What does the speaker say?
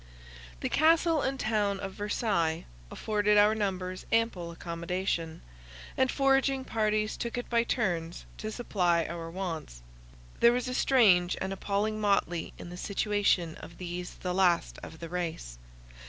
The castle and town of Versailles afforded our numbers ample accommodation, and foraging parties took it by turns to supply our wants. There was a strange and appalling motley in the situation of these the last of the race.